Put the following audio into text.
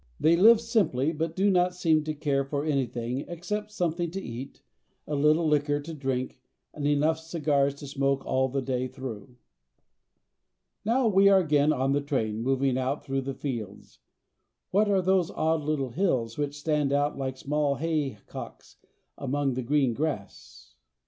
They live simply, but do not seem to care for anything except something to eat, a little Hquor to drink, and enough cigars to smoke all the day through. Now we are again on the train, mov ing out through the fields. What are those odd little hills which stand out like small haycocks among the green grass?